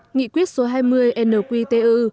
nghị quyết số hai mươi nqtu